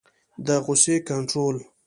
د غصې کنټرول